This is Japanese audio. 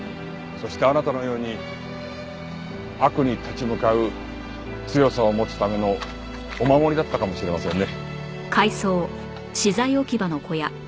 そしてあなたのように悪に立ち向かう強さを持つためのお守りだったかもしれませんね。